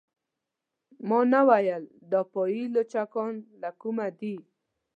ما نه ویل دا پايي لچکان له کومه دي.